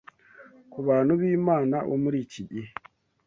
ku bantu b’Imana bo muri iki gihe